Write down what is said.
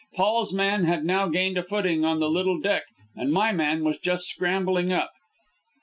Paul's man had now gained a footing on the little deck, and my man was just scrambling up.